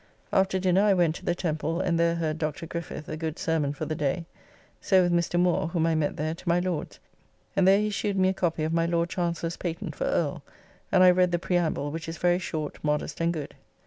After dinner I went to the Temple and there heard Dr. Griffith, a good sermon for the day; so with Mr. Moore (whom I met there) to my Lord's, and there he shewed me a copy of my Lord Chancellor's patent for Earl, and I read the preamble, which is very short, modest, and good.